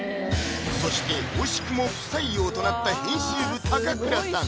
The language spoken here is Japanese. そして惜しくも不採用となった編集部・嵩倉さん